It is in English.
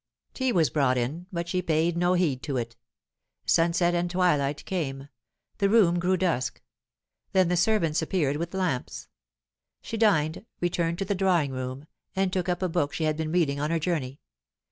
Tea was brought in, but she paid no heed to it. Sunset and twilight came; the room grew dusk; then the servants appeared with lamps. She dined, returned to the drawing room, and took up a book she had been reading on her journey.